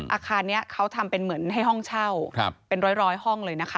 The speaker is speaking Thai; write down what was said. อาคารนี้เขาทำเป็นเหมือนให้ห้องเช่าเป็นร้อยห้องเลยนะคะ